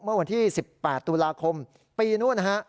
เมื่อวันที่๑๘ตุลาคมปี๖๓น